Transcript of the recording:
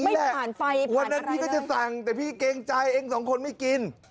ไม่ผ่านไฟผ่านอะไรเลยวันนั้นพี่ก็จะสั่งแต่พี่เก็งใจเอง๒คนไม่กิน